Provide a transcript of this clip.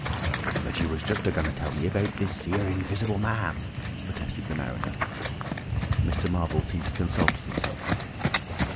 "But you was just a going to tell me about this here Invisible Man!" protested the mariner. Mr. Marvel seemed to consult with himself.